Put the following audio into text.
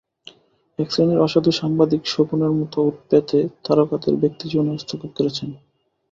একশ্রেণীর অসাধু সাংবাদিক শকুনের মতো ওঁত পেতে তারকাদের ব্যক্তিজীবনে হস্তক্ষেপ করছেন।